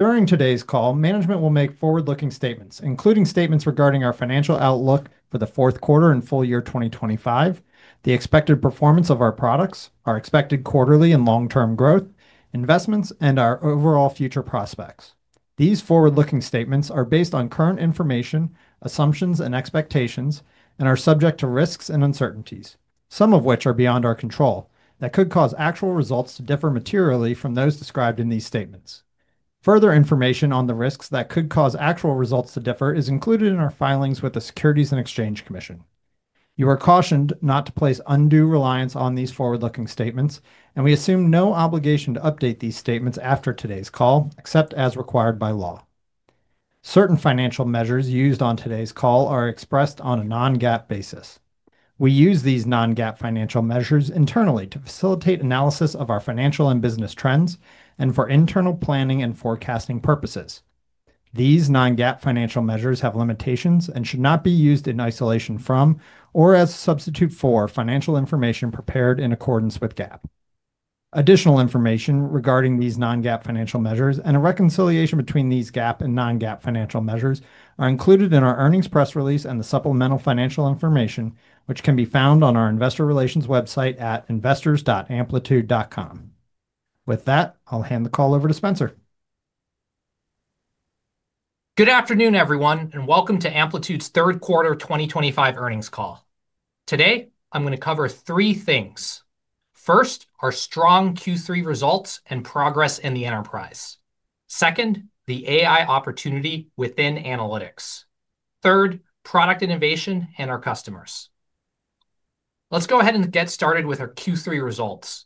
During today's call, management will make forward-looking statements, including statements regarding our financial outlook for the fourth quarter and full year 2025, the expected performance of our products, our expected quarterly and long-term growth, investments, and our overall future prospects. These forward-looking statements are based on current information, assumptions, and expectations, and are subject to risks and uncertainties, some of which are beyond our control, that could cause actual results to differ materially from those described in these statements. Further information on the risks that could cause actual results to differ is included in our filings with the Securities and Exchange Commission. You are cautioned not to place undue reliance on these forward-looking statements, and we assume no obligation to update these statements after today's call, except as required by law. Certain financial measures used on today's call are expressed on a non-GAAP basis. We use these non-GAAP financial measures internally to facilitate analysis of our financial and business trends and for internal planning and forecasting purposes. These non-GAAP financial measures have limitations and should not be used in isolation from or as a substitute for financial information prepared in accordance with GAAP. Additional information regarding these non-GAAP financial measures and a reconciliation between these GAAP and non-GAAP financial measures are included in our earnings press release and the supplemental financial information, which can be found on our investor relations website at investors.amplitude.com. With that, I'll hand the call over to Spenser. Good afternoon, everyone, and welcome to Amplitude's third quarter 2025 earnings call. Today, I'm going to cover three things. First, our strong Q3 results and progress in the enterprise. Second, the AI opportunity within analytics. Third, product innovation and our customers. Let's go ahead and get started with our Q3 results.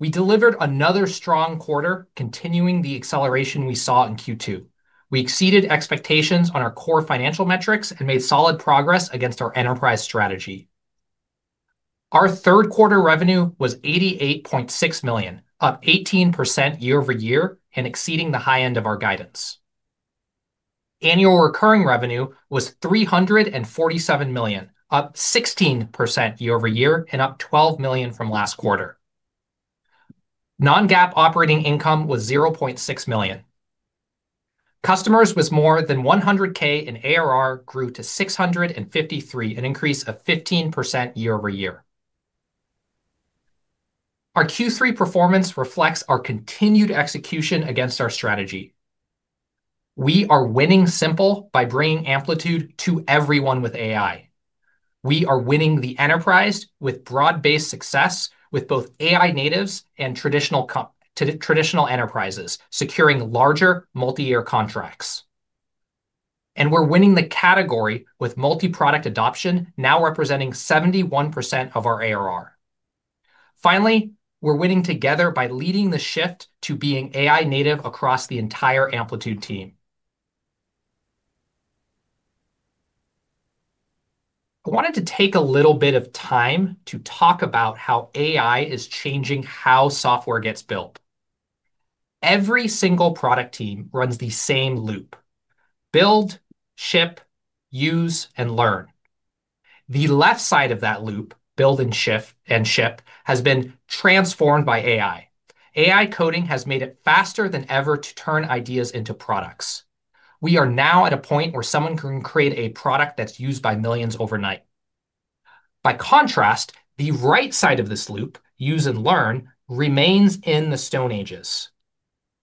We delivered another strong quarter, continuing the acceleration we saw in Q2. We exceeded expectations on our core financial metrics and made solid progress against our enterprise strategy. Our third quarter revenue was $88.6 million, up 18% year-over-year, and exceeding the high end of our guidance. Annual recurring revenue was $347 million, up 16% year-over-year, and up $12 million from last quarter. Non-GAAP operating income was $0.6 million. Customers with more than $100,000 in ARR grew to 653, an increase of 15% year-overyear. Our Q3 performance reflects our continued execution against our strategy. We are winning simple by bringing Amplitude to everyone with AI. We are winning the enterprise with broad-based success, with both AI natives and traditional enterprises securing larger multi-year contracts. We are winning the category with multi-product adoption, now representing 71% of our ARR. Finally, we are winning together by leading the shift to being AI native across the entire Amplitude team. I wanted to take a little bit of time to talk about how AI is changing how software gets built. Every single product team runs the same loop: build, ship, use, and learn. The left side of that loop, build and ship, has been transformed by AI. AI coding has made it faster than ever to turn ideas into products. We are now at a point where someone can create a product that is used by millions overnight. By contrast, the right side of this loop, use and learn, remains in the Stone Ages.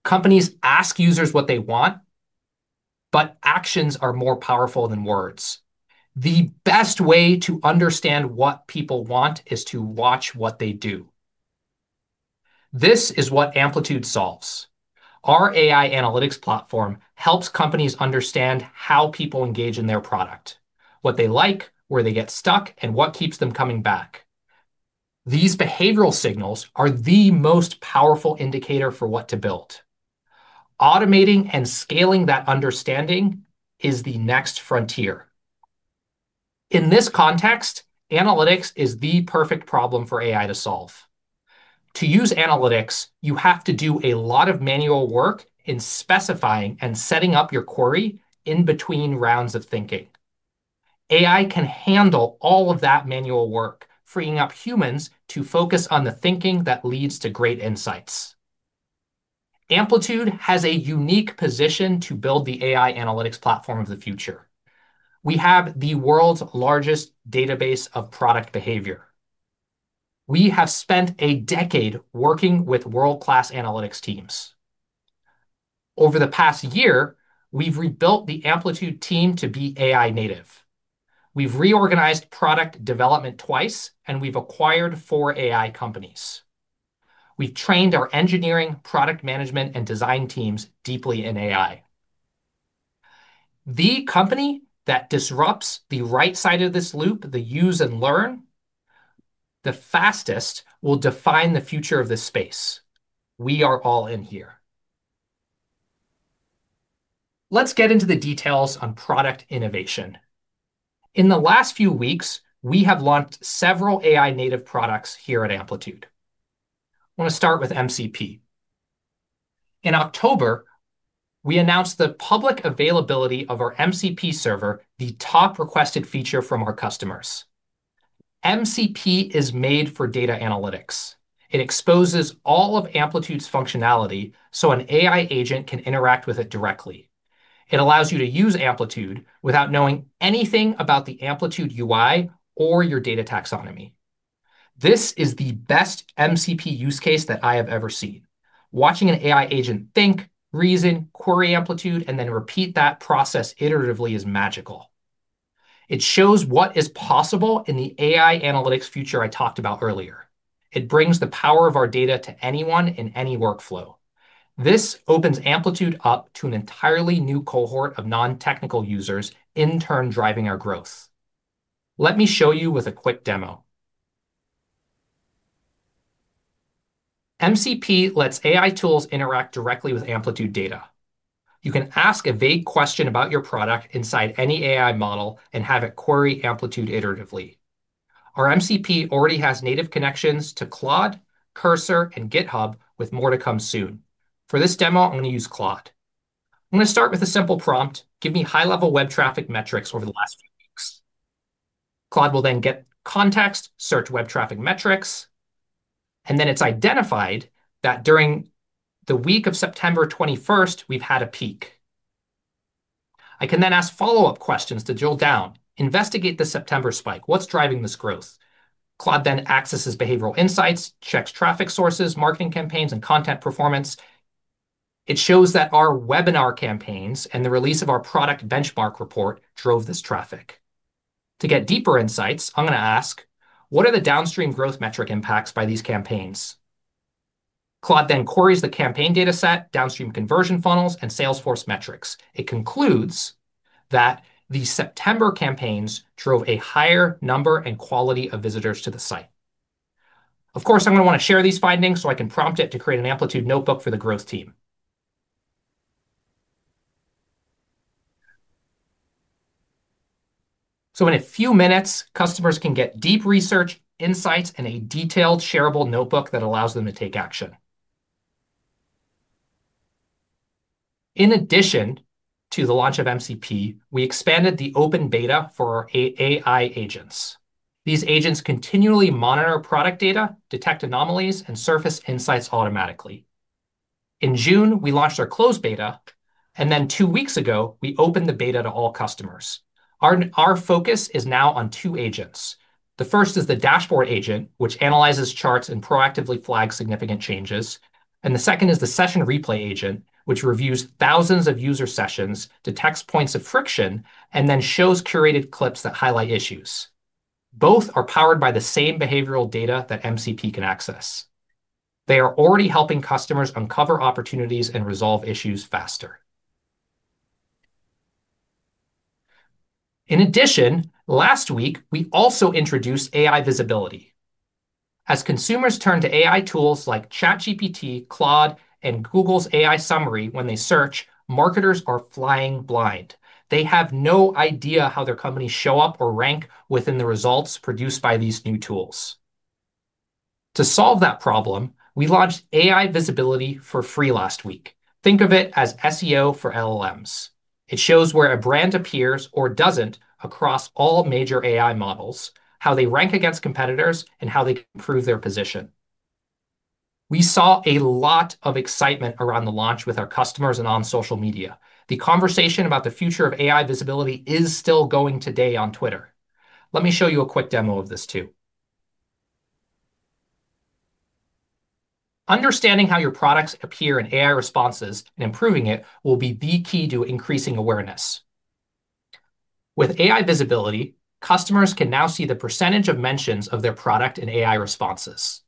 Companies ask users what they want. Actions are more powerful than words. The best way to understand what people want is to watch what they do. This is what Amplitude solves. Our AI analytics platform helps companies understand how people engage in their product, what they like, where they get stuck, and what keeps them coming back. These behavioral signals are the most powerful indicator for what to build. Automating and scaling that understanding is the next frontier. In this context, analytics is the perfect problem for AI to solve. To use analytics, you have to do a lot of manual work in specifying and setting up your query in between rounds of thinking. AI can handle all of that manual work, freeing up humans to focus on the thinking that leads to great insights. Amplitude has a unique position to build the AI analytics platform of the future. We have the world's largest database of product behavior. We have spent a decade working with world-class analytics teams. Over the past year, we've rebuilt the Amplitude team to be AI native. We've reorganized product development twice, and we've acquired four AI companies. We've trained our engineering, product management, and design teams deeply in AI. The company that disrupts the right side of this loop, the use and learn, the fastest will define the future of this space. We are all in here. Let's get into the details on product innovation. In the last few weeks, we have launched several AI native products here at Amplitude. I want to start with MCP. In October, we announced the public availability of our MCP Server, the top requested feature from our customers. MCP is made for data analytics. It exposes all of Amplitude's functionality so an AI agent can interact with it directly. It allows you to use Amplitude without knowing anything about the Amplitude UI or your data taxonomy. This is the best MCP use case that I have ever seen. Watching an AI agent think, reason, query Amplitude, and then repeat that process iteratively is magical. It shows what is possible in the AI analytics future I talked about earlier. It brings the power of our data to anyone in any workflow. This opens Amplitude up to an entirely new cohort of non-technical users, in turn driving our growth. Let me show you with a quick demo. MCP lets AI tools interact directly with Amplitude data. You can ask a vague question about your product inside any AI model and have it query Amplitude iteratively. Our MCP already has native connections to Claude, Cursor, and GitHub, with more to come soon. For this demo, I'm going to use Claude. I'm going to start with a simple prompt: "Give me high-level web traffic metrics over the last few weeks." Claude will then get context, search web traffic metrics. It has identified that during the week of September 21st, we've had a peak. I can then ask follow-up questions to drill down, investigate the September spike. What's driving this growth? Claude then accesses behavioral insights, checks traffic sources, marketing campaigns, and content performance. It shows that our webinar campaigns and the release of our product benchmark report drove this traffic. To get deeper insights, I'm going to ask, "What are the downstream growth metric impacts by these campaigns?" Claude then queries the campaign data set, downstream conversion funnels, and Salesforce metrics. It concludes that the September campaigns drove a higher number and quality of visitors to the site. Of course, I'm going to want to share these findings so I can prompt it to create an Amplitude notebook for the growth team. In a few minutes, customers can get deep research, insights, and a detailed, shareable notebook that allows them to take action. In addition to the launch of MCP, we expanded the open beta for our AI agents. These agents continually monitor product data, detect anomalies, and surface insights automatically. In June, we launched our closed beta, and then two weeks ago, we opened the beta to all customers. Our focus is now on two agents. The first is the Dashboard Agent, which analyzes charts and proactively flags significant changes. The second is the Session Replay Agent, which reviews thousands of user sessions, detects points of friction, and then shows curated clips that highlight issues. Both are powered by the same behavioral data that MCP can access. They are already helping customers uncover opportunities and resolve issues faster. In addition, last week, we also introduced AI Visibility. As consumers turn to AI tools like ChatGPT, Claude, and Google's AI summary when they search, marketers are flying blind. They have no idea how their company showed up or ranked within the results produced by these new tools. To solve that problem, we launched AI Visibility for free last week. Think of it as SEO for LLMs. It shows where a brand appears or does not across all major AI models, how they rank against competitors, and how they can prove their position. We saw a lot of excitement around the launch with our customers and on social media. The conversation about the future of AI visibility is still going today on Twitter. Let me show you a quick demo of this too. Understanding how your products appear in AI responses and improving it will be the key to increasing awareness. With AI Visibility, customers can now see the percentage of mentions of their product in AI responses.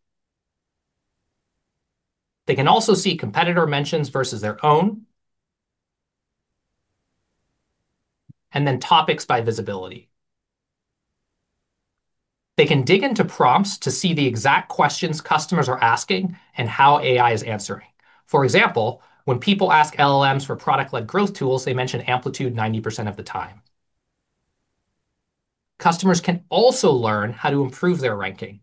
They can also see competitor mentions versus their own, and then topics by visibility. They can dig into prompts to see the exact questions customers are asking and how AI is answering. For example, when people ask LLMs for product-led growth tools, they mention Amplitude 90% of the time. Customers can also learn how to improve their ranking.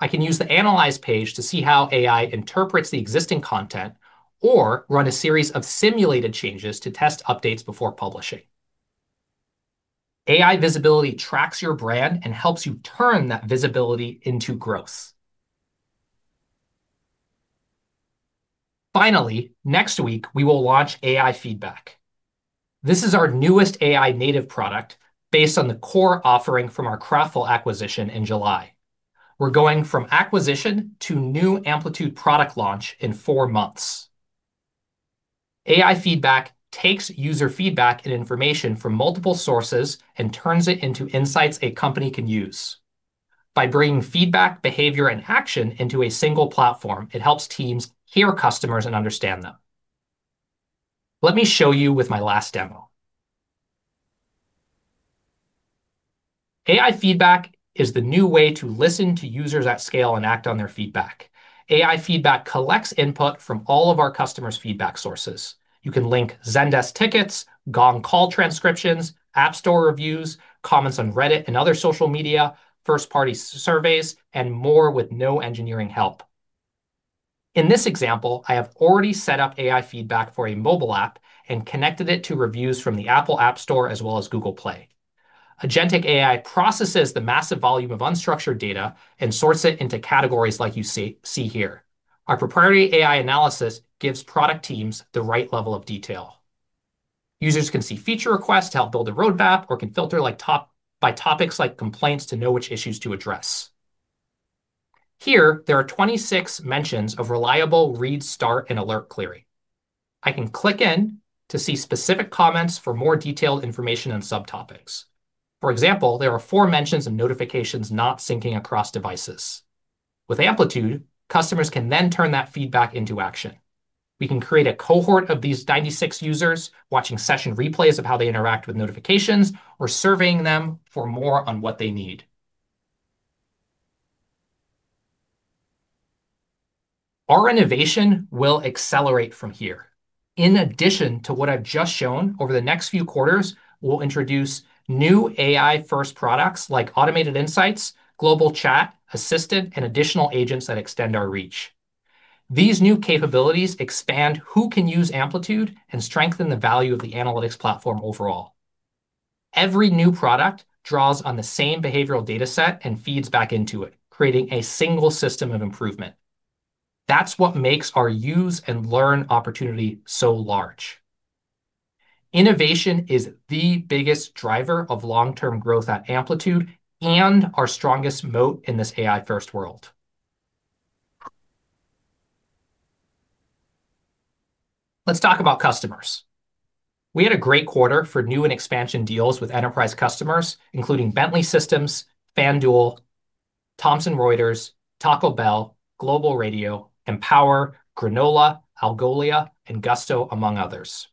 I can use the analyze page to see how AI interprets the existing content or run a series of simulated changes to test updates before publishing. AI Visibility tracks your brand and helps you turn that visibility into growth. Finally, next week, we will launch AI Feedback. This is our newest AI native product based on the core offering from our Kraftful acquisition in July. We are going from acquisition to new Amplitude product launch in four months. AI Feedback takes user feedback and information from multiple sources and turns it into insights a company can use. By bringing feedback, behavior, and action into a single platform, it helps teams hear customers and understand them. Let me show you with my last demo. AI Feedback is the new way to listen to users at scale and act on their feedback. AI Feedback collects input from all of our customers' feedback sources. You can link Zendesk tickets, Gong call transcriptions, App Store reviews, comments on Reddit and other social media, first-party surveys, and more with no engineering help. In this example, I have already set up AI Feedback for a mobile app and connected it to reviews from the Apple App Store as well as Google Play. Agentic AI processes the massive volume of unstructured data and sorts it into categories like you see here. Our proprietary AI analysis gives product teams the right level of detail. Users can see feature requests to help build a roadmap or can filter by topics like complaints to know which issues to address. Here, there are 26 mentions of reliable read, start, and alert query. I can click in to see specific comments for more detailed information on subtopics. For example, there are four mentions of notifications not syncing across devices. With Amplitude, customers can then turn that feedback into action. We can create a cohort of these 96 users watching session replays of how they interact with notifications or surveying them for more on what they need. Our innovation will accelerate from here. In addition to what I've just shown, over the next few quarters, we'll introduce new AI-first products like automated insights, global chat, assistant, and additional agents that extend our reach. These new capabilities expand who can use Amplitude and strengthen the value of the analytics platform overall. Every new product draws on the same behavioral data set and feeds back into it, creating a single system of improvement. That's what makes our use and learn opportunity so large. Innovation is the biggest driver of long-term growth at Amplitude and our strongest moat in this AI-first world. Let's talk about customers. We had a great quarter for new and expansion deals with enterprise customers, including Bentley Systems, FanDuel, Thomson Reuters, Taco Bell, Global Radio, Empower, Granola, Algolia, and Gusto, among others.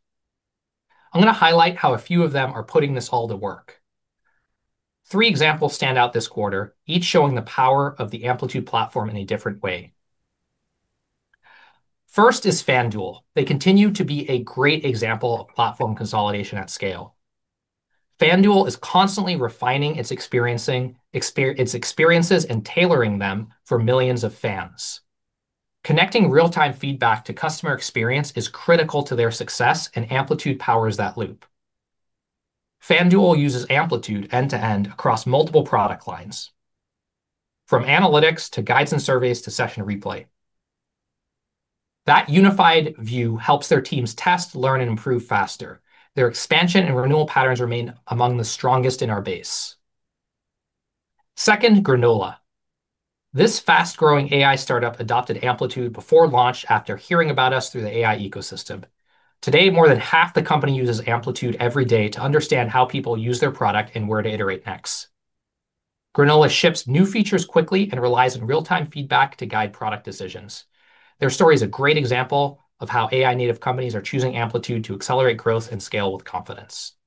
I'm going to highlight how a few of them are putting this all to work. Three examples stand out this quarter, each showing the power of the Amplitude platform in a different way. First is FanDuel. They continue to be a great example of platform consolidation at scale. FanDuel is constantly refining its experiences and tailoring them for millions of fans. Connecting real-time feedback to customer experience is critical to their success, and Amplitude powers that loop. FanDuel uses Amplitude end-to-end across multiple product lines. From analytics to guides and surveys to session replay. That unified view helps their teams test, learn, and improve faster. Their expansion and renewal patterns remain among the strongest in our base. Second, Granola. This fast-growing AI startup adopted Amplitude before launch after hearing about us through the AI ecosystem. Today, more than half the company uses Amplitude every day to understand how people use their product and where to iterate next. Granola ships new features quickly and relies on real-time feedback to guide product decisions. Their story is a great example of how AI-native companies are choosing Amplitude to accelerate growth and scale with confidence.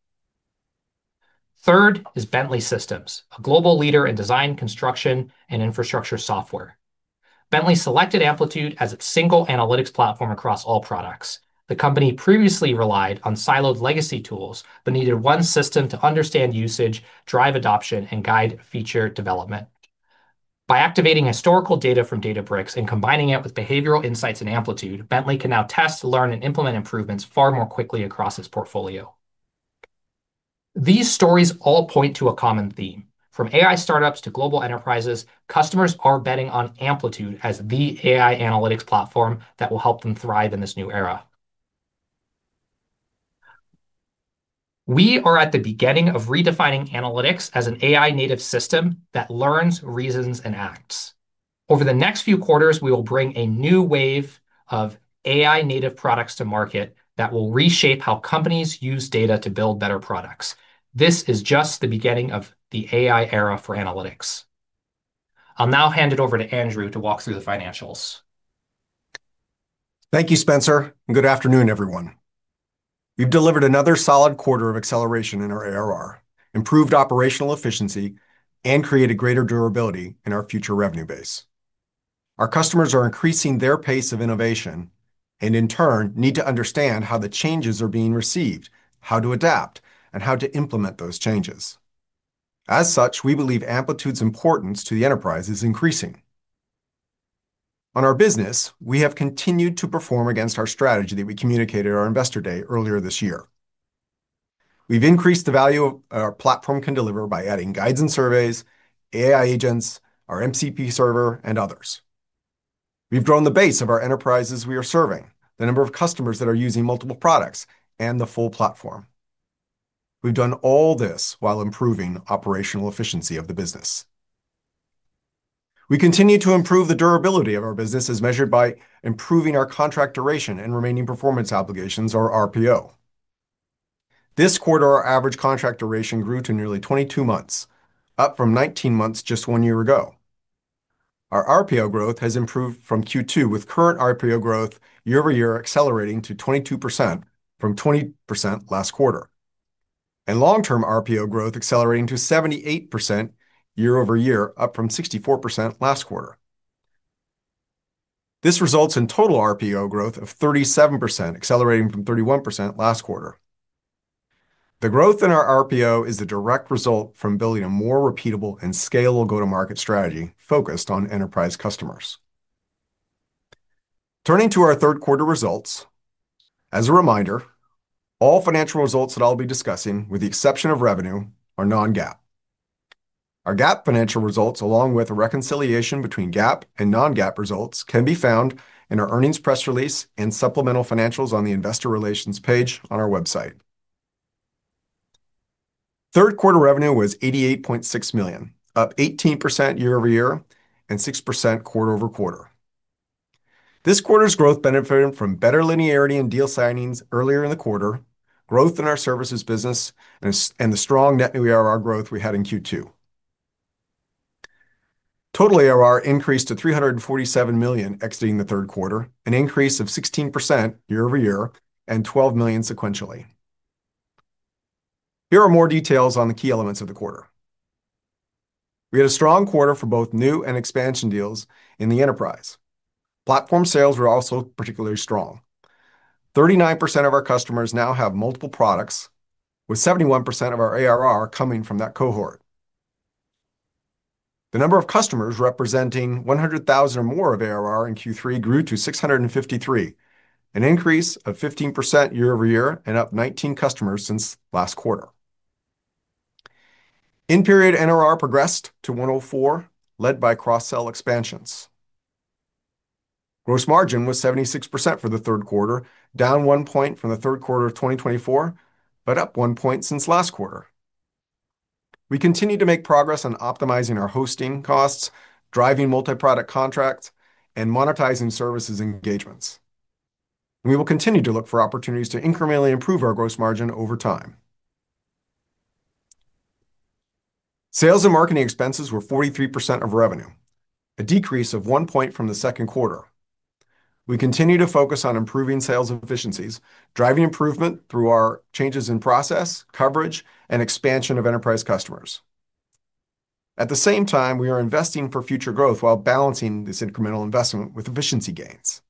Third is Bentley Systems, a global leader in design, construction, and infrastructure software. Bentley selected Amplitude as its single analytics platform across all products. The company previously relied on siloed legacy tools but needed one system to understand usage, drive adoption, and guide feature development. By activating historical data from Databricks and combining it with behavioral insights in Amplitude, Bentley can now test, learn, and implement improvements far more quickly across its portfolio. These stories all point to a common theme. From AI startups to global enterprises, customers are betting on Amplitude as the AI analytics platform that will help them thrive in this new era. We are at the beginning of redefining analytics as an AI-native system that learns, reasons, and acts. Over the next few quarters, we will bring a new wave of AI-native products to market that will reshape how companies use data to build better products. This is just the beginning of the AI era for analytics. I'll now hand it over to Andrew to walk through the financials. Thank you, Spenser, and good afternoon, everyone. We've delivered another solid quarter of acceleration in our ARR, improved operational efficiency, and created greater durability in our future revenue base. Our customers are increasing their pace of innovation and, in turn, need to understand how the changes are being received, how to adapt, and how to implement those changes. As such, we believe Amplitude's importance to the enterprise is increasing. On our business, we have continued to perform against our strategy that we communicated at our investor day earlier this year. We've increased the value our platform can deliver by adding Guides and Surveys, AI agents, our MCP server, and others. We've grown the base of our enterprises we are serving, the number of customers that are using multiple products, and the full platform. We've done all this while improving operational efficiency of the business. We continue to improve the durability of our business as measured by improving our contract duration and remaining performance obligations, or RPO. This quarter, our average contract duration grew to nearly 22 months, up from 19 months just one year ago. Our RPO growth has improved from Q2, with current RPO growth year-over-year accelerating to 22% from 20% last quarter. Long-term RPO growth accelerating to 78% year-over-year, up from 64% last quarter. This results in total RPO growth of 37%, accelerating from 31% last quarter. The growth in our RPO is a direct result from building a more repeatable and scalable go-to-market strategy focused on enterprise customers. Turning to our third-quarter results, as a reminder, all financial results that I'll be discussing, with the exception of revenue, are non-GAAP. Our GAAP financial results, along with a reconciliation between GAAP and non-GAAP results, can be found in our earnings press release and supplemental financials on the investor relations page on our website. Third-quarter revenue was $88.6 million, up 18% year-over-year and 6% quarter-over-quarter. This quarter's growth benefited from better linearity in deal signings earlier in the quarter, growth in our services business, and the strong net new ARR growth we had in Q2. Total ARR increased to $347 million exiting the third quarter, an increase of 16% year-over-year and $12 million sequentially. Here are more details on the key elements of the quarter. We had a strong quarter for both new and expansion deals in the enterprise. Platform sales were also particularly strong. 39% of our customers now have multiple products, with 71% of our ARR coming from that cohort. The number of customers representing $100,000 or more of ARR in Q3 grew to 653, an increase of 15% year-over-year and up 19 customers since last quarter. In-period NRR progressed to 104%, led by cross-sell expansions. Gross margin was 76% for the third quarter, down one percentage point from the third quarter of 2024, but up one percentage point since last quarter. We continue to make progress on optimizing our hosting costs, driving multi-product contracts, and monetizing services engagements. We will continue to look for opportunities to incrementally improve our gross margin over time. Sales and marketing expenses were 43% of revenue, a decrease of one percentage point from the second quarter. We continue to focus on improving sales efficiencies, driving improvement through our changes in process, coverage, and expansion of enterprise customers. At the same time, we are investing for future growth while balancing this incremental investment with efficiency gains.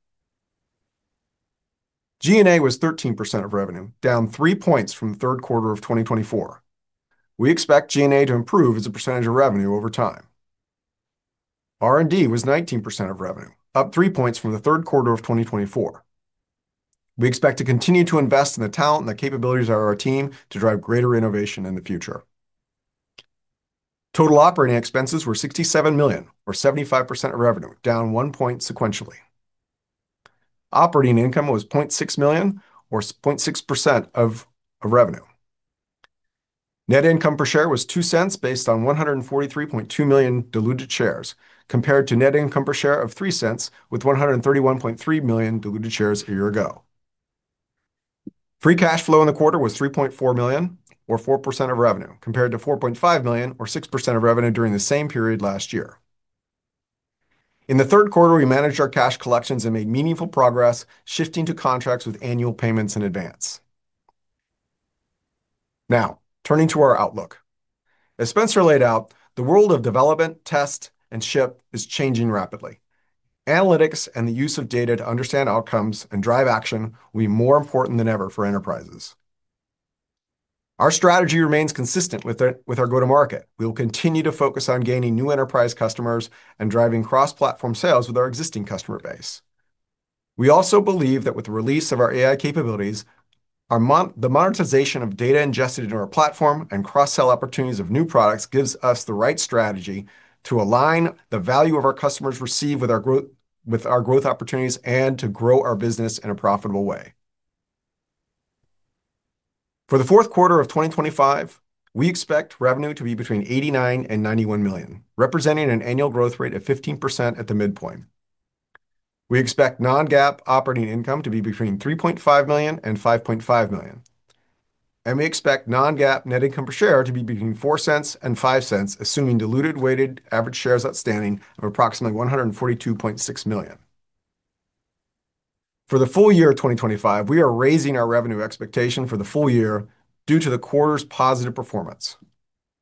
G&A was 13% of revenue, down three percentage points from the third quarter of 2024. We expect G&A to improve as a percentage of revenue over time. R&D was 19% of revenue, up three percentage points from the third quarter of 2024. We expect to continue to invest in the talent and the capabilities of our team to drive greater innovation in the future. Total operating expenses were $67 million, or 75% of revenue, down one percentage point sequentially. Operating income was $0.6 million, or 0.6% of revenue. Net income per share was $0.02 based on 143.2 million diluted shares, compared to net income per share of $0.03 with 131.3 million diluted shares a year ago. Free cash flow in the quarter was $3.4 million, or 4% of revenue, compared to $4.5 million, or 6% of revenue during the same period last year. In the third quarter, we managed our cash collections and made meaningful progress, shifting to contracts with annual payments in advance. Now, turning to our outlook. As Spenser laid out, the world of development, test, and ship is changing rapidly. Analytics and the use of data to understand outcomes and drive action will be more important than ever for enterprises. Our strategy remains consistent with our go-to-market. We will continue to focus on gaining new enterprise customers and driving cross-platform sales with our existing customer base. We also believe that with the release of our AI capabilities, the monetization of data ingested into our platform and cross-sell opportunities of new products gives us the right strategy to align the value our customers receive with our growth opportunities and to grow our business in a profitable way. For the fourth quarter of 2025, we expect revenue to be between $89 million and $91 million, representing an annual growth rate of 15% at the midpoint. We expect non-GAAP operating income to be between $3.5 million and $5.5 million. We expect non-GAAP net income per share to be between $0.04 and $0.05, assuming diluted weighted average shares outstanding of approximately 142.6 million. For the full year of 2025, we are raising our revenue expectation for the full year due to the quarter's positive performance.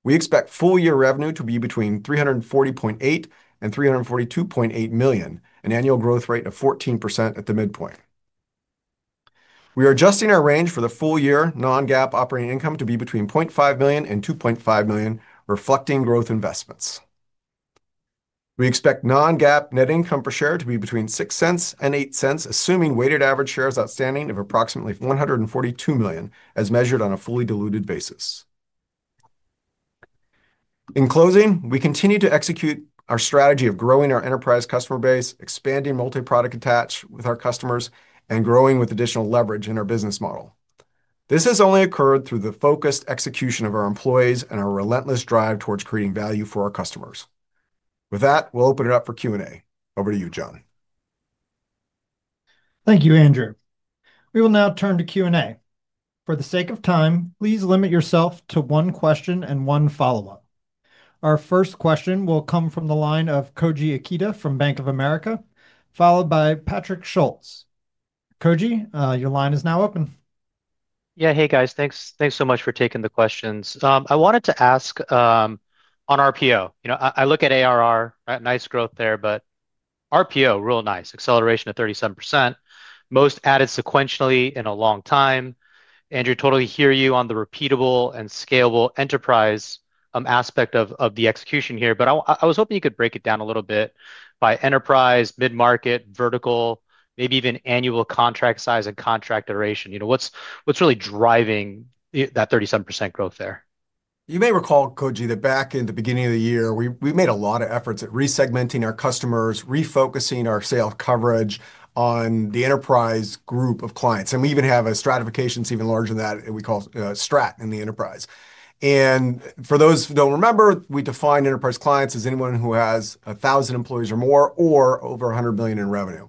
We expect full-year revenue to be between $340.8 million and $342.8 million, an annual growth rate of 14% at the midpoint. We are adjusting our range for the full-year non-GAAP operating income to be between $0.5 million and $2.5 million, reflecting growth investments. We expect non-GAAP net income per share to be between $0.06 and $0.08, assuming weighted average shares outstanding of approximately 142 million, as measured on a fully diluted basis. In closing, we continue to execute our strategy of growing our enterprise customer base, expanding multi-product attached with our customers, and growing with additional leverage in our business model. This has only occurred through the focused execution of our employees and our relentless drive towards creating value for our customers. With that, we'll open it up for Q&A. Over to you, John. Thank you, Andrew. We will now turn to Q&A. For the sake of time, please limit yourself to one question and one follow-up. Our first question will come from the line of Koji Ikeda from Bank of America, followed by Patrick Schultz. Koji, your line is now open. Yeah, hey, guys. Thanks so much for taking the questions. I wanted to ask. On RPO. You know, I look at ARR, nice growth there, but RPO, real nice, acceleration of 37%, most added sequentially in a long time. Andrew, totally hear you on the repeatable and scalable enterprise aspect of the execution here, but I was hoping you could break it down a little bit by enterprise, mid-market, vertical, maybe even annual contract size and contract duration. You know, what's really driving that 37% growth there? You may recall, Koji, that back in the beginning of the year, we made a lot of efforts at resegmenting our customers, refocusing our sales coverage on the enterprise group of clients. And we even have a stratification that's even larger than that, and we call it STRAT in the enterprise. For those who do not remember, we define enterprise clients as anyone who has 1,000 employees or more or over $100 million in revenue.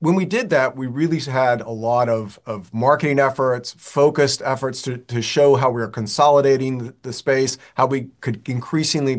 When we did that, we really had a lot of marketing efforts, focused efforts to show how we are consolidating the space, how customers could increasingly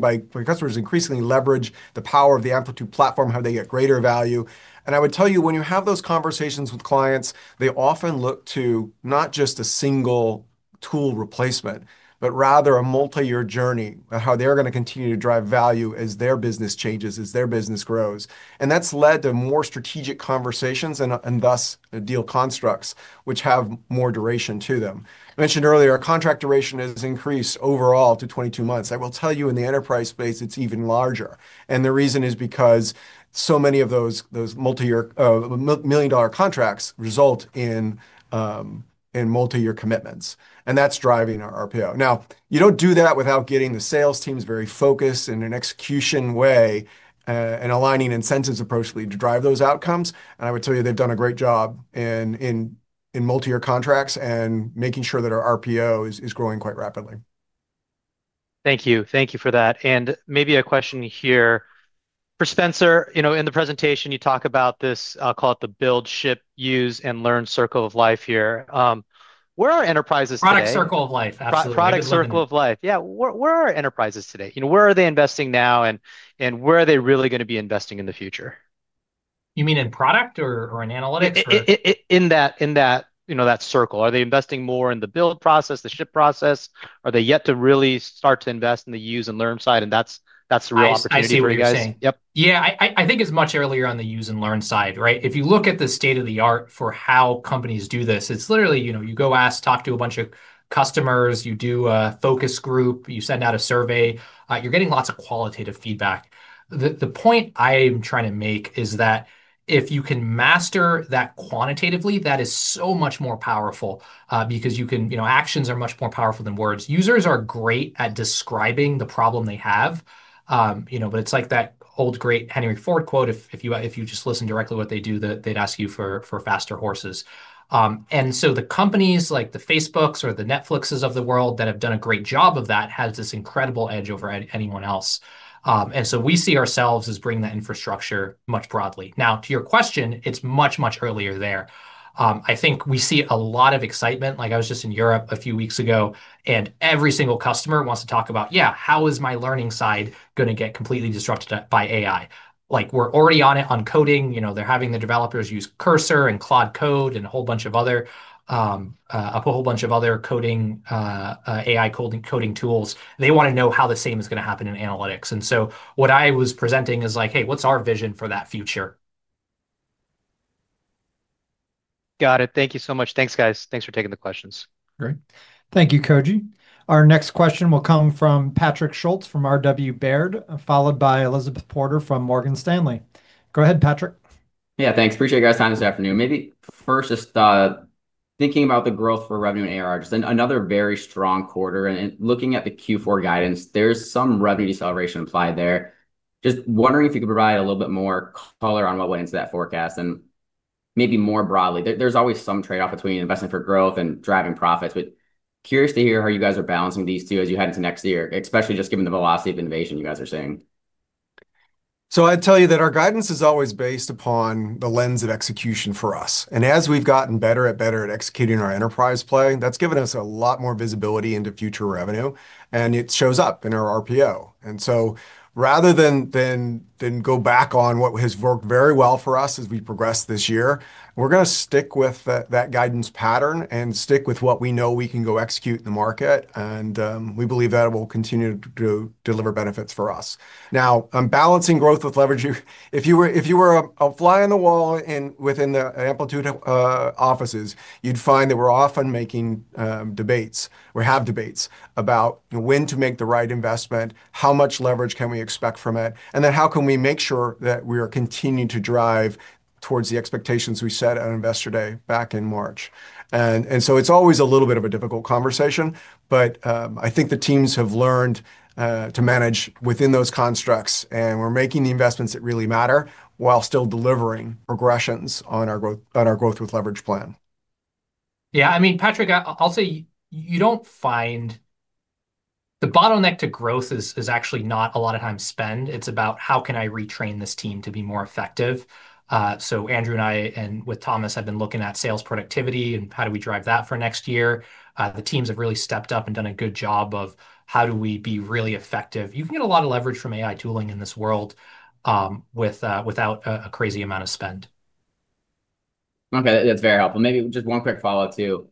leverage the power of the Amplitude platform, how they get greater value. I would tell you, when you have those conversations with clients, they often look to not just a single tool replacement, but rather a multi-year journey of how they are going to continue to drive value as their business changes, as their business grows. That has led to more strategic conversations and thus deal constructs which have more duration to them. I mentioned earlier, our contract duration has increased overall to 22 months. I will tell you, in the enterprise space, it is even larger. The reason is because so many of those multi-year, million-dollar contracts result in multi-year commitments. That is driving our RPO. You do not do that without getting the sales teams very focused in an execution way and aligning incentives appropriately to drive those outcomes. I would tell you, they have done a great job in multi-year contracts and making sure that our RPO is growing quite rapidly. Thank you. Thank you for that. Maybe a question here for Spenser. You know, in the presentation, you talk about this, I will call it the build, ship, use, and learn circle of life here. Where are enterprises today? Product circle of life, absolutely. Product circle of life. Yeah. Where are enterprises today? You know, where are they investing now, and where are they really going to be investing in the future? You mean in product or in analytics? In that circle. Are they investing more in the build process, the ship process? Are they yet to really start to invest in the use and learn side? That is the real opportunity where you guys—yeah. I think it is much earlier on the use and learn side, right? If you look at the state of the art for how companies do this, it is literally, you know, you go ask, talk to a bunch of customers, you do a focus group, you send out a survey, you are getting lots of qualitative feedback. The point I am trying to make is that if you can master that quantitatively, that is so much more powerful because you can, you know, actions are much more powerful than words. Users are great at describing the problem they have, you know, but it's like that old great Henry Ford quote, if you just listen directly to what they do, they'd ask you for faster horses. The companies like the Facebooks or the Netflixes of the world that have done a great job of that have this incredible edge over anyone else. We see ourselves as bringing that infrastructure much broadly. Now, to your question, it's much, much earlier there. I think we see a lot of excitement. Like I was just in Europe a few weeks ago, and every single customer wants to talk about, yeah, how is my learning side going to get completely disrupted by AI? Like we're already on it on coding. You know, they're having the developers use Cursor and Claude Code and a whole bunch of other, a whole bunch of other coding AI coding tools. They want to know how the same is going to happen in analytics. And so what I was presenting is like, hey, what's our vision for that future? Got it. Thank you so much. Thanks, guys. Thanks for taking the questions. Great. Thank you, Koji. Our next question will come from Patrick Schultz from RW Baird, followed by Elizabeth Porter from Morgan Stanley. Go ahead, Patrick. Yeah, thanks. Appreciate you guys' time this afternoon. Maybe first just thinking about the growth for revenue and ARR, just another very strong quarter. And looking at the Q4 guidance, there's some revenue deceleration implied there. Just wondering if you could provide a little bit more color on what went into that forecast and maybe more broadly. There's always some trade-off between investing for growth and driving profits, but curious to hear how you guys are balancing these two as you head into next year, especially just given the velocity of innovation you guys are seeing. I'd tell you that our guidance is always based upon the lens of execution for us. As we've gotten better and better at executing our enterprise plan, that's given us a lot more visibility into future revenue, and it shows up in our RPO. Rather than go back on what has worked very well for us as we progress this year, we're going to stick with that guidance pattern and stick with what we know we can go execute in the market. We believe that will continue to deliver benefits for us. Now, I'm balancing growth with leverage. If you were a fly on the wall within the Amplitude offices, you'd find that we're often having debates about when to make the right investment, how much leverage can we expect from it, and then how can we make sure that we are continuing to drive towards the expectations we set on investor day back in March. It is always a little bit of a difficult conversation, but I think the teams have learned to manage within those constructs, and we're making the investments that really matter while still delivering progressions on our growth with leverage plan. Yeah, I mean, Patrick, I'll say you don't find the bottleneck to growth is actually not a lot of time spent. It's about how can I retrain this team to be more effective? Andrew and I and with Thomas have been looking at sales productivity and how do we drive that for next year. The teams have really stepped up and done a good job of how do we be really effective. You can get a lot of leverage from AI tooling in this world without a crazy amount of spend. Okay, that's very helpful. Maybe just one quick follow-up too.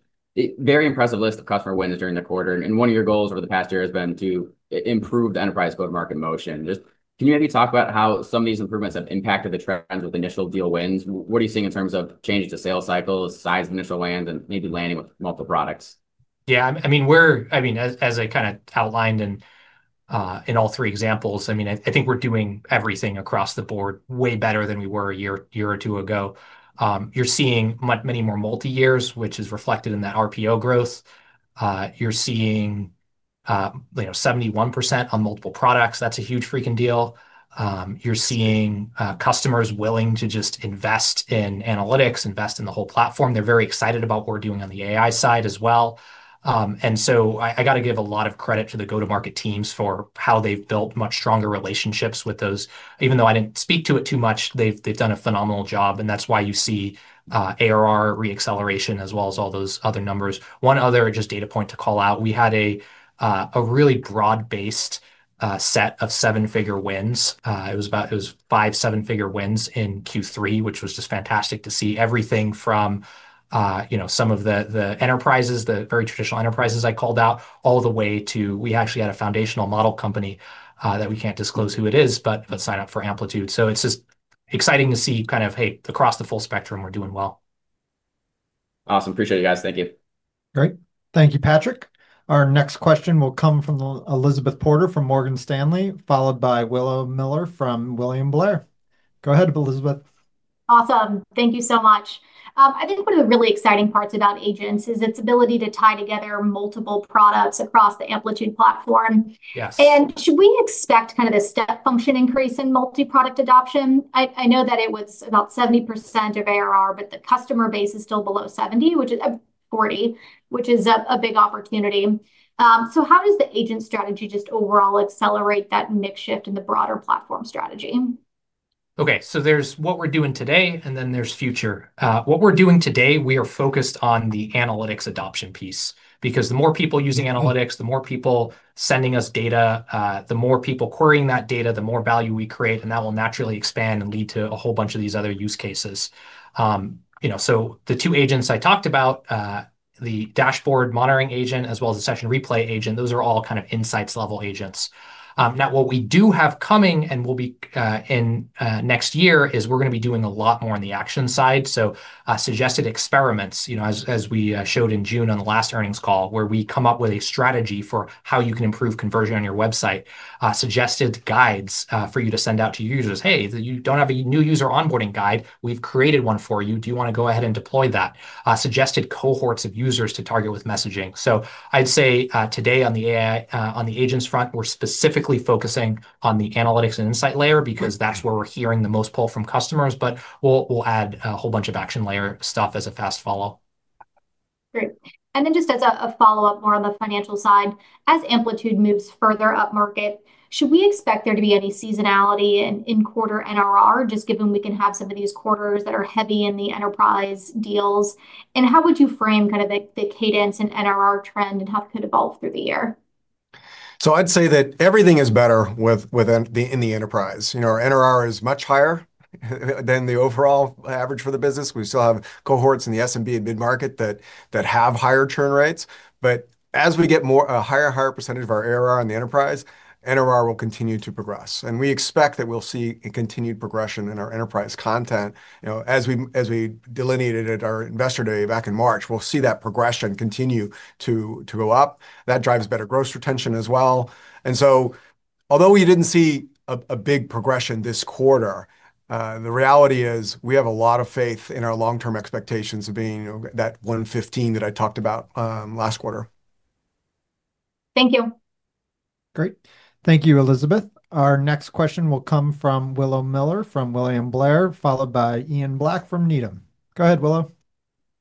Very impressive list of customer wins during the quarter. One of your goals over the past year has been to improve the enterprise go-to-market motion. Just can you maybe talk about how some of these improvements have impacted the trends with initial deal wins? What are you seeing in terms of changes to sales cycles, size of initial land, and maybe landing with multiple products? Yeah, I mean, we're, I mean, as I kind of outlined in. All three examples, I mean, I think we're doing everything across the board way better than we were a year or two ago. You're seeing many more multi-years, which is reflected in that RPO growth. You're seeing 71% on multiple products. That's a huge freaking deal. You're seeing customers willing to just invest in analytics, invest in the whole platform. They're very excited about what we're doing on the AI side as well. I got to give a lot of credit to the go-to-market teams for how they've built much stronger relationships with those. Even though I didn't speak to it too much, they've done a phenomenal job. That's why you see ARR re-acceleration as well as all those other numbers. One other just data point to call out, we had a really broad-based set of seven-figure wins. It was five, seven-figure wins in Q3, which was just fantastic to see everything from some of the enterprises, the very traditional enterprises I called out, all the way to we actually had a foundational model company that we can't disclose who it is, but sign up for Amplitude. It is just exciting to see kind of, hey, across the full spectrum, we're doing well. Awesome. Appreciate it, guys. Thank you. Great. Thank you, Patrick. Our next question will come from Elizabeth Porter from Morgan Stanley, followed by Willow Miller from William Blair. Go ahead, Elizabeth. Awesome. Thank you so much. I think one of the really exciting parts about agents is its ability to tie together multiple products across the Amplitude platform. And should we expect kind of a step function increase in multi-product adoption? I know that it was about 70% of ARR, but the customer base is still below 70, which is 40, which is a big opportunity. How does the agent strategy just overall accelerate that mix shift in the broader platform strategy? Okay, so there's what we're doing today, and then there's future. What we're doing today, we are focused on the analytics adoption piece because the more people using analytics, the more people sending us data, the more people querying that data, the more value we create, and that will naturally expand and lead to a whole bunch of these other use cases. The two agents I talked about, the dashboard monitoring agent as well as the Session Replay agent, those are all kind of insights-level agents. Now, what we do have coming and will be in next year is we're going to be doing a lot more on the action side. Suggested experiments, as we showed in June on the last earnings call, where we come up with a strategy for how you can improve conversion on your website, suggested guides for you to send out to your users. Hey, you don't have a new user onboarding guide? We've created one for you. Do you want to go ahead and deploy that? Suggested cohorts of users to target with messaging. I'd say today on the agents front, we're specifically focusing on the analytics and insight layer because that's where we're hearing the most pull from customers, but we'll add a whole bunch of action layer stuff as a fast follow. Great. Just as a follow-up, more on the financial side, as Amplitude moves further up market, should we expect there to be any seasonality in quarter NRR, just given we can have some of these quarters that are heavy in the enterprise deals? How would you frame kind of the cadence and NRR trend and how it could evolve through the year? I'd say that everything is better in the enterprise. Our NRR is much higher than the overall average for the business. We still have cohorts in the SMB and mid-market that have higher churn rates. As we get a higher and higher percentage of our ARR in the enterprise, NRR will continue to progress. We expect that we'll see continued progression in our enterprise content. As we delineated at our investor day back in March, we'll see that progression continue to go up. That drives better gross retention as well. Although we did not see a big progression this quarter, the reality is we have a lot of faith in our long-term expectations of being that 115 that I talked about last quarter. Thank you. Great. Thank you, Elizabeth. Our next question will come from Willow Miller from William Blair, followed by Ian Black from Needham. Go ahead, Willow.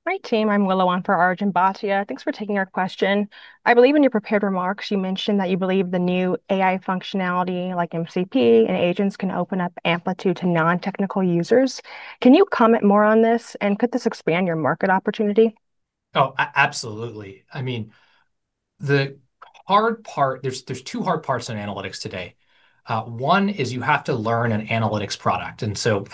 Hi, team. I am Willow on for Arjun Bhatia. Thanks for taking our question. I believe in your prepared remarks, you mentioned that you believe the new AI functionality like MCP and agents can open up Amplitude to non-technical users. Can you comment more on this and could this expand your market opportunity? Oh, absolutely. I mean. The hard part, there are two hard parts in analytics today. One is you have to learn an analytics product.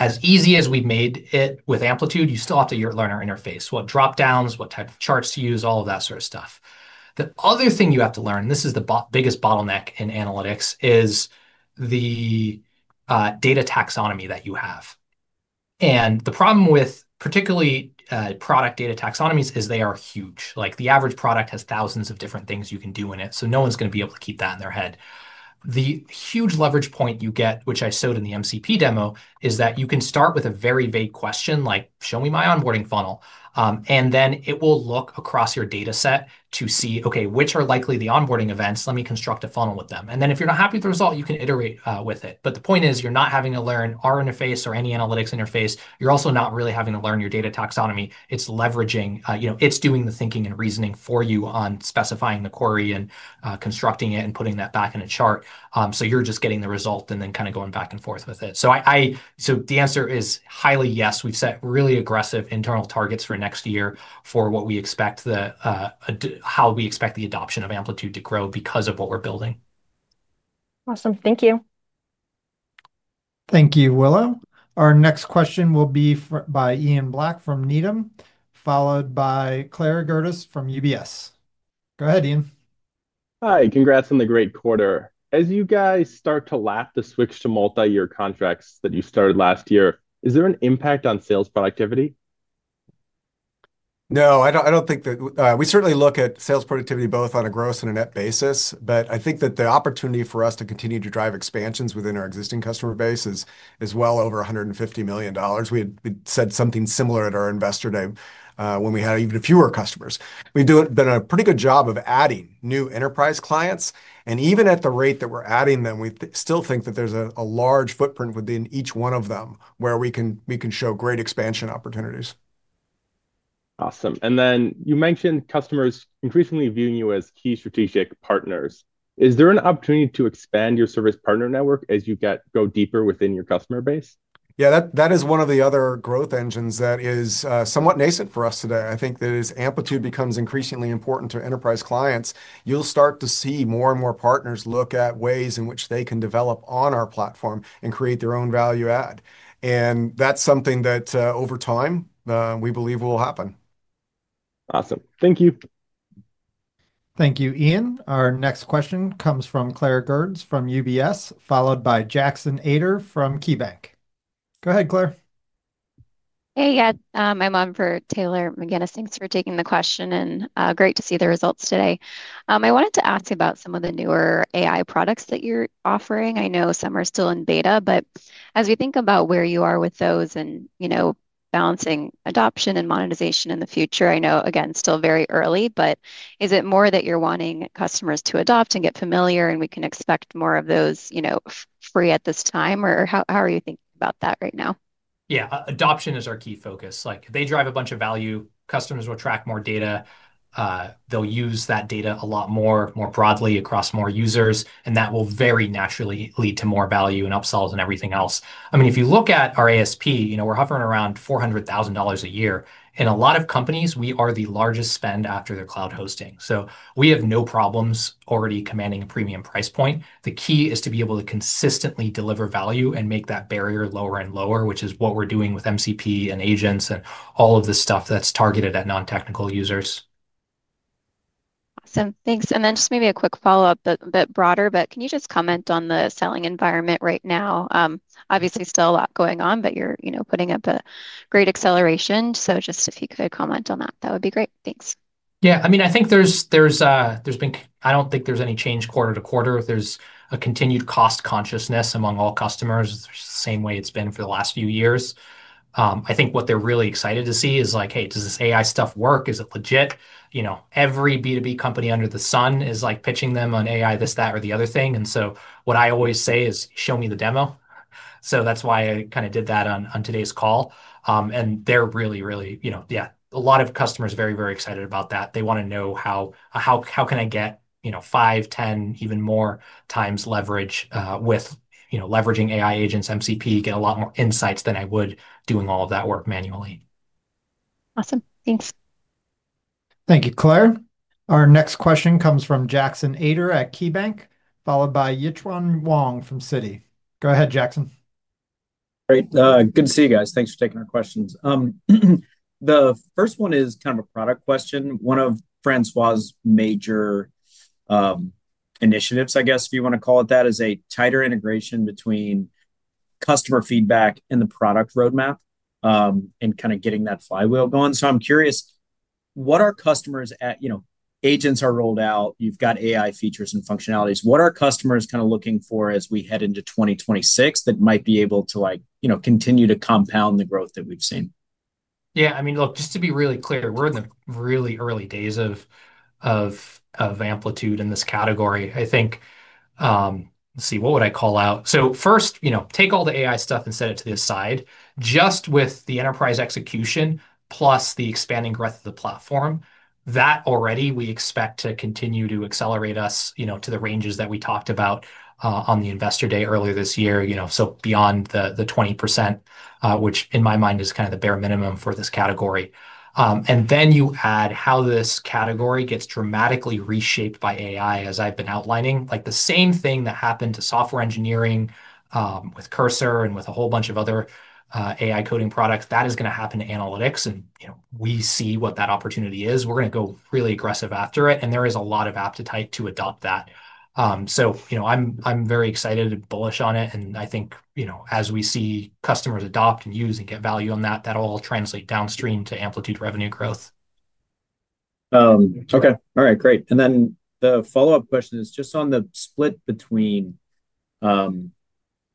As easy as we've made it with Amplitude, you still have to learn our interface, what dropdowns, what type of charts to use, all of that sort of stuff. The other thing you have to learn, and this is the biggest bottleneck in analytics, is the data taxonomy that you have. The problem with particularly product data taxonomies is they are huge. Like the average product has thousands of different things you can do in it, so no one's going to be able to keep that in their head. The huge leverage point you get, which I showed in the MCP demo, is that you can start with a very vague question like, "Show me my onboarding funnel." It will look across your data set to see, okay, which are likely the onboarding events? Let me construct a funnel with them. If you're not happy with the result, you can iterate with it. The point is you're not having to learn our interface or any analytics interface. You're also not really having to learn your data taxonomy. It's leveraging, it's doing the thinking and reasoning for you on specifying the query and constructing it and putting that back in a chart. You're just getting the result and then kind of going back and forth with it. The answer is highly yes. We've set really aggressive internal targets for next year for what we expect, how we expect the adoption of Amplitude to grow because of what we're building. Awesome. Thank you. Thank you, Willow. Our next question will be by Ian Black from Needham, followed by Claire Gerdes from UBS. Go ahead, Ian. Hi, congrats on the great quarter. As you guys start to lap the switch to multi-year contracts that you started last year, is there an impact on sales productivity? No, I do not think that. We certainly look at sales productivity both on a gross and a net basis, but I think that the opportunity for us to continue to drive expansions within our existing customer base is well over $150 million. We said something similar at our investor day when we had even fewer customers. We have done a pretty good job of adding new enterprise clients, and even at the rate that we are adding them, we still think that there is a large footprint within each one of them where we can show great expansion opportunities. Awesome. You mentioned customers increasingly viewing you as key strategic partners. Is there an opportunity to expand your service partner network as you go deeper within your customer base? Yeah, that is one of the other growth engines that is somewhat nascent for us today. I think that as Amplitude becomes increasingly important to enterprise clients, you'll start to see more and more partners look at ways in which they can develop on our platform and create their own value add. That is something that over time we believe will happen. Awesome. Thank you. Thank you, Ian. Our next question comes from Claire Gerdes from UBS, followed by Jackson Ader from KeyBanc. Go ahead, Claire. Hey, yeah, I'm on for Taylor McGinnis. Thanks for taking the question and great to see the results today. I wanted to ask you about some of the newer AI products that you're offering. I know some are still in beta, but as we think about where you are with those and balancing adoption and monetization in the future, I know, again, still very early, but is it more that you're wanting customers to adopt and get familiar and we can expect more of those free at this time? Or how are you thinking about that right now? Yeah, adoption is our key focus. They drive a bunch of value. Customers will track more data. They'll use that data a lot more, more broadly across more users, and that will very naturally lead to more value and upsells and everything else. I mean, if you look at our ASP, we're hovering around $400,000 a year. In a lot of companies, we are the largest spend after their cloud hosting. We have no problems already commanding a premium price point. The key is to be able to consistently deliver value and make that barrier lower and lower, which is what we're doing with MCP and agents and all of the stuff that's targeted at non-technical users. Awesome. Thanks. Just maybe a quick follow-up, a bit broader, but can you just comment on the selling environment right now? Obviously, still a lot going on, but you're putting up a great acceleration. If you could comment on that, that would be great. Thanks. Yeah, I mean, I think there's been, I don't think there's any change quarter to quarter. There's a continued cost consciousness among all customers the same way it's been for the last few years. I think what they're really excited to see is like, hey, does this AI stuff work? Is it legit? Every B2B company under the sun is like pitching them on AI, this, that, or the other thing. What I always say is, show me the demo. That is why I kind of did that on today's call. They are really, really, yeah, a lot of customers very, very excited about that. They want to know how. Can I get 5x, 10x, even more times leverage with leveraging AI agents, MCP, get a lot more insights than I would doing all of that work manually. Awesome. Thanks. Thank you, Claire. Our next question comes from Jackson Ader at KeyBanc, followed by Yixhuan Wang from Citi. Go ahead, Jackson. Great. Good to see you guys. Thanks for taking our questions. The first one is kind of a product question. One of Francois's major initiatives, I guess, if you want to call it that, is a tighter integration between customer feedback and the product roadmap. Kind of getting that flywheel going. I'm curious, what are customers at? Agents are rolled out, you've got AI features and functionalities. What are customers kind of looking for as we head into 2026 that might be able to continue to compound the growth that we've seen? Yeah, I mean, look, just to be really clear, we're in the really early days of Amplitude in this category. I think, let's see, what would I call out? First, take all the AI stuff and set it to the aside. Just with the enterprise execution plus the expanding growth of the platform, that already we expect to continue to accelerate us to the ranges that we talked about on the investor day earlier this year, so beyond the 20%, which in my mind is kind of the bare minimum for this category. You add how this category gets dramatically reshaped by AI, as I've been outlining. The same thing that happened to software engineering with Cursor and with a whole bunch of other AI coding products, that is going to happen to analytics. We see what that opportunity is. We're going to go really aggressive after it. There is a lot of appetite to adopt that. I'm very excited and bullish on it. I think as we see customers adopt and use and get value on that, that'll all translate downstream to Amplitude revenue growth. Okay. All right. Great. The follow-up question is just on the split between,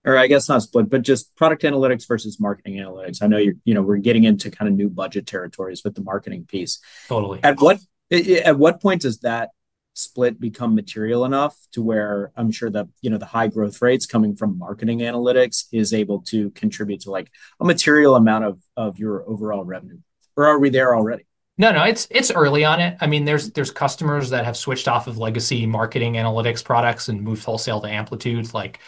or I guess not split, but just product analytics versus marketing analytics. I know we're getting into kind of new budget territories with the marketing piece. Totally. At what point does that split become material enough to where I'm sure that the high growth rates coming from marketing analytics is able to contribute to a material amount of your overall revenue? Or are we there already No, no, it's early on it. I mean, there's customers that have switched off of legacy marketing analytics products and moved wholesale to Amplitude, like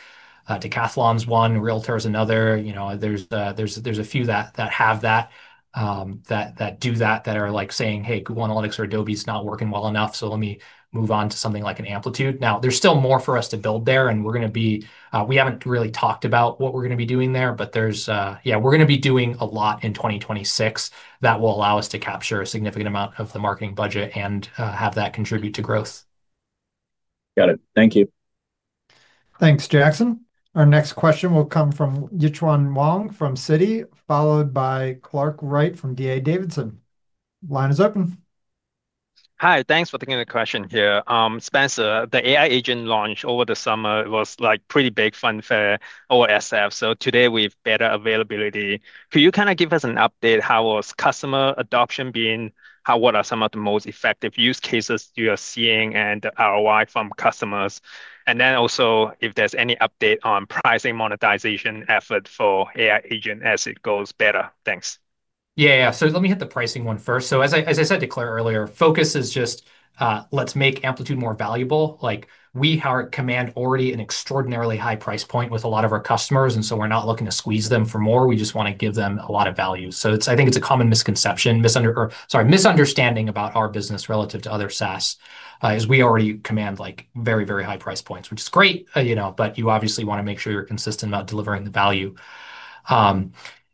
Decathlon's one, Realtor's another. There's a few that have that. That do that, that are saying, "Hey, Google Analytics or Adobe's not working well enough, so let me move on to something like an Amplitude." Now, there's still more for us to build there, and we're going to be—we haven't really talked about what we're going to be doing there, but yeah, we're going to be doing a lot in 2026 that will allow us to capture a significant amount of the marketing budget and have that contribute to growth. Got it. Thank you. Thanks, Jackson. Our next question will come from Yixhuan Wang from Citi, followed by Clark Wright from D.A. Davidson. Line is open. Hi, thanks for taking the question here. Spenser, the AI agent launch over the summer was like pretty big fun fair OSF. So today we've better availability. Could you kind of give us an update? How has customer adoption been? What are some of the most effective use cases you are seeing and the ROI from customers? And then also if there's any update on pricing monetization effort for AI agent as it goes better. Thanks. Yeah, yeah. Let me hit the pricing one first. As I said to Claire earlier, focus is just let's make Amplitude more valuable. We command already an extraordinarily high price point with a lot of our customers, and we are not looking to squeeze them for more. We just want to give them a lot of value. I think it's a common misconception, sorry, misunderstanding about our business relative to other SaaS, as we already command very, very high price points, which is great, but you obviously want to make sure you're consistent about delivering the value.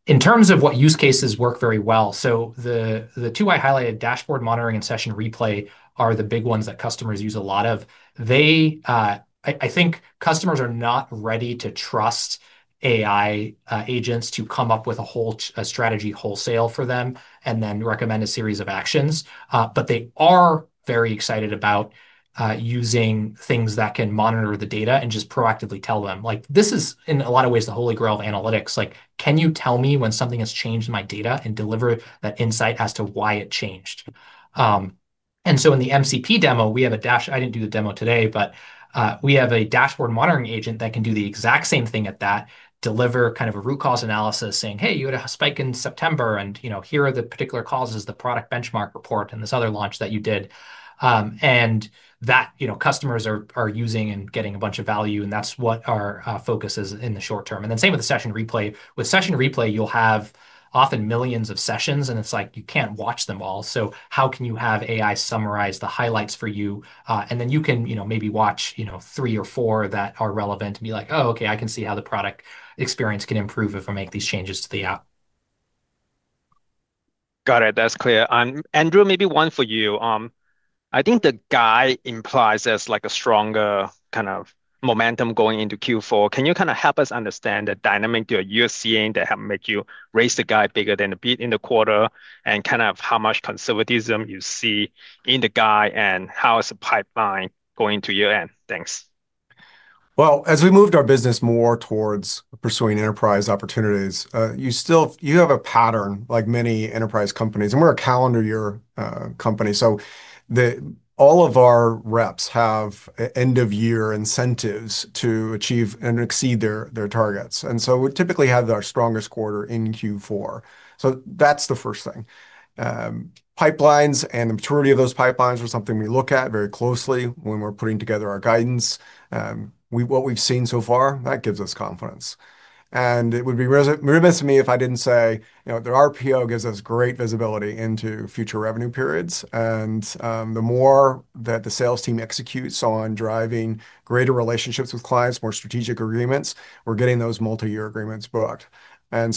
In terms of what use cases work very well, the two I highlighted, dashboard monitoring and session replay, are the big ones that customers use a lot of. I think customers are not ready to trust AI agents to come up with a whole strategy wholesale for them and then recommend a series of actions. They are very excited about using things that can monitor the data and just proactively tell them. This is, in a lot of ways, the holy grail of analytics. Can you tell me when something has changed in my data and deliver that insight as to why it changed? In the MCP demo, we have a—I did not do the demo today, but we have a dashboard monitoring agent that can do the exact same thing at that, deliver kind of a root cause analysis saying, "Hey, you had a spike in September, and here are the particular causes, the product benchmark report, and this other launch that you did." Customers are using and getting a bunch of value, and that is what our focus is in the short term. Same with the session replay. With Session Replay, you will have often millions of sessions, and it is like you cannot watch them all. How can you have AI summarize the highlights for you? And then you can maybe watch three or four that are relevant and be like, "Oh, okay, I can see how the product experience can improve if I make these changes to the app." Got it. That's clear. Andrew, maybe one for you. I think the guide implies a stronger kind of momentum going into Q4. Can you kind of help us understand the dynamic that you're seeing that helped make you raise the guide bigger than a bit in the quarter and kind of how much conservatism you see in the guide and how is the pipeline going to year-end? Thanks. As we moved our business more towards pursuing enterprise opportunities, you have a pattern like many enterprise companies, and we're a calendar year company. All of our reps have end-of-year incentives to achieve and exceed their targets. We typically have our strongest quarter in Q4. That is the first thing. Pipelines and the maturity of those pipelines are something we look at very closely when we are putting together our guidance. What we have seen so far, that gives us confidence. It would be remiss of me if I did not say their RPO gives us great visibility into future revenue periods. The more that the sales team executes on driving greater relationships with clients, more strategic agreements, we are getting those multi-year agreements booked. As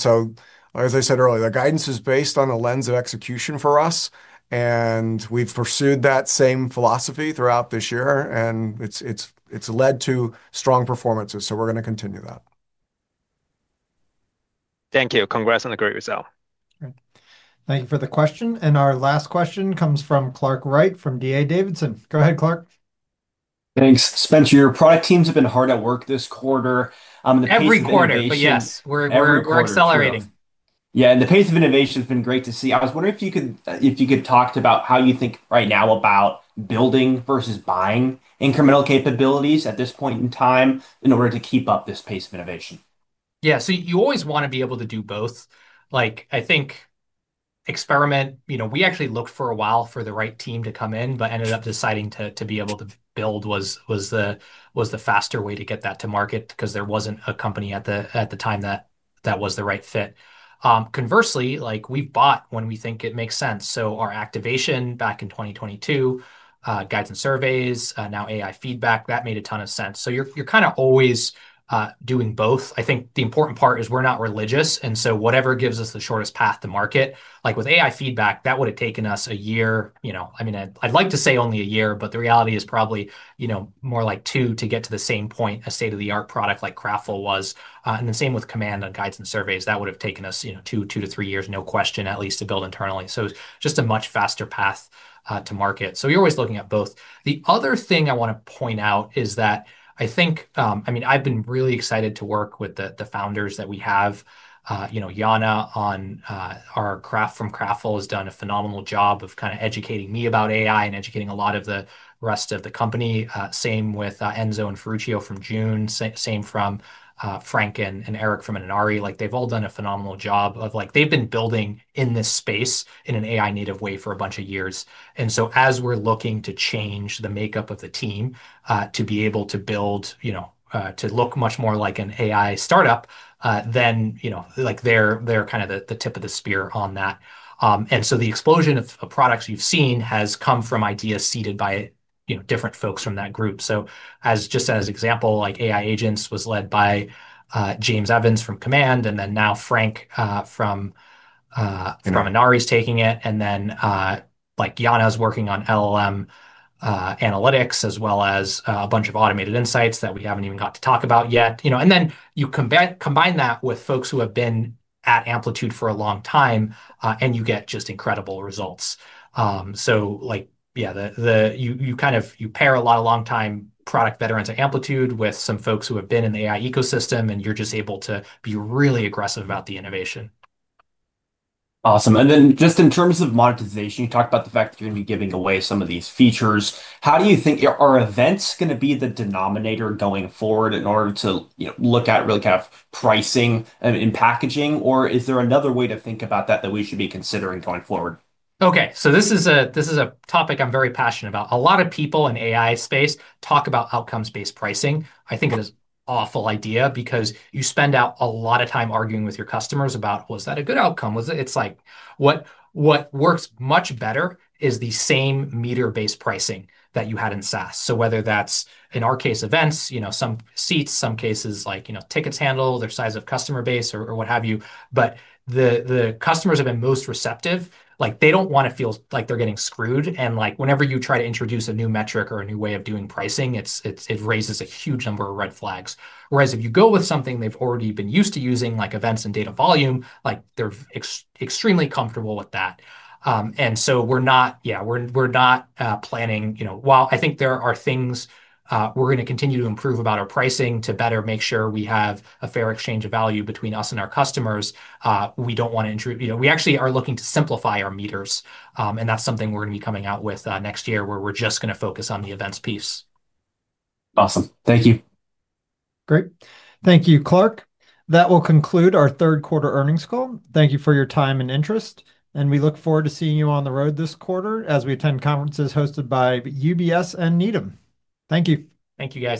I said earlier, the guidance is based on a lens of execution for us. We have pursued that same philosophy throughout this year, and it has led to strong performances. We are going to continue that. Thank you. Congrats on the great result. Thank you for the question. Our last question comes from Clark Wright from D.A. Davidson. Go ahead, Clark. Thanks. Spenser, your product teams have been hard at work this quarter. Every quarter, but yes. We're accelerating. Yeah. And the pace of innovation has been great to see. I was wondering if you could talk to about how you think right now about building versus buying incremental capabilities at this point in time in order to keep up this pace of innovation. Yeah. You always want to be able to do both, I think. Experiment. We actually looked for a while for the right team to come in, but ended up deciding to be able to build was the faster way to get that to market because there was not a company at the time that was the right fit. Conversely, we've bought when we think it makes sense. Our activation back in 2022. Guides and Surveys, now AI Feedback, that made a ton of sense. You're kind of always doing both. I think the important part is we're not religious. Whatever gives us the shortest path to market. With AI Feedback, that would have taken us a year. I'd like to say only a year, but the reality is probably more like two to get to the same point a state-of-the-art product like Kraftful was. The same with Command on Guides and Surveys. That would have taken us two, two to three years, no question, at least to build internally. It's just a much faster path to market. You're always looking at both. The other thing I want to point out is that I think, I mean, I've been really excited to work with the founders that we have. Yana on our Kraftful from Kraftful has done a phenomenal job of kind of educating me about AI and educating a lot of the rest of the company. Same with Enzo and Ferruccio from June, same from Frank and Eric from Inari. They've all done a phenomenal job of they've been building in this space in an AI-native way for a bunch of years. As we're looking to change the makeup of the team to be able to build, to look much more like an AI startup, they're kind of the tip of the spear on that. The explosion of products you've seen has come from ideas seeded by different folks from that group. Just as an example, AI agents was led by James Evans from Command, and then now Frank from Inari is taking it. Yana is working on LLM. Analytics, as well as a bunch of automated insights that we have not even got to talk about yet. You combine that with folks who have been at Amplitude for a long time, and you get just incredible results. Yeah. You kind of pair a lot of long-time product veterans at Amplitude with some folks who have been in the AI ecosystem, and you are just able to be really aggressive about the innovation. Awesome. Just in terms of monetization, you talked about the fact that you are going to be giving away some of these features. How do you think are events going to be the denominator going forward in order to look at really kind of pricing and packaging? Or is there another way to think about that that we should be considering going forward? This is a topic I am very passionate about. A lot of people in the AI space talk about outcomes-based pricing. I think it is an awful idea because you spend a lot of time arguing with your customers about, "Was that a good outcome?" What works much better is the same meter-based pricing that you had in SaaS. Whether that is, in our case, events, some seats, some cases like tickets handled, their size of customer base, or what have you. The customers have been most receptive. They do not want to feel like they are getting screwed. Whenever you try to introduce a new metric or a new way of doing pricing, it raises a huge number of red flags. If you go with something they have already been used to using, like events and data volume, they are extremely comfortable with that. We are not, yeah, we are not planning. While I think there are things we're going to continue to improve about our pricing to better make sure we have a fair exchange of value between us and our customers, we don't want to. We actually are looking to simplify our meters. And that's something we're going to be coming out with next year where we're just going to focus on the events piece. Awesome. Thank you. Great. Thank you, Clark. That will conclude our third quarter earnings call. Thank you for your time and interest. We look forward to seeing you on the road this quarter as we attend conferences hosted by UBS and Needham. Thank you. Thank you, guys.